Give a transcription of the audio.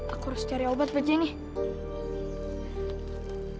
aku harus cari obat buat jenny